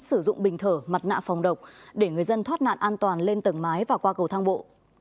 sử dụng bình thở mặt nạ phòng độc để người dân thoát nạn an toàn lên tầng mái và qua cầu thang bộ